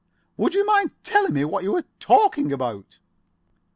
"Would you mind telling me what you are talking about?"